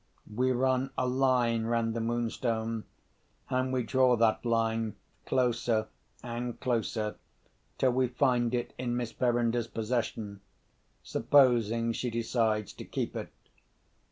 We run a line round the Moonstone, and we draw that line closer and closer till we find it in Miss Verinder's possession, supposing she decides to keep it.